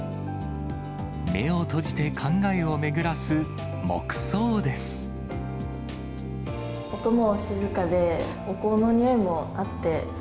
目を閉じて考えを巡らす、黙想です。